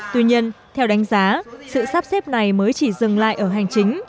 tuy nhiên theo đánh giá sự sắp xếp này mới chỉ dừng lại ở hành chính